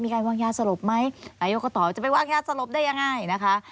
มีใครว่างญาติสลบไหมอายุก็ตอบว่าจะไปว่างญาติสลบได้ยังไงนะคะ